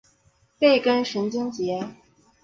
背根神经节。